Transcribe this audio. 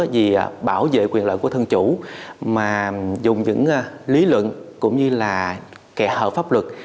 vì bảo vệ quyền lợi của thân chủ mà dùng những lý luận cũng như là kẻ hợp pháp luật